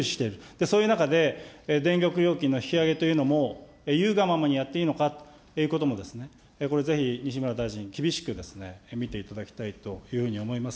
そういう中で、電力料金の引き上げというのも、いうがままにやっていいのかということも、これ、ぜひ西村大臣、厳しく見ていただきたいというふうに思います。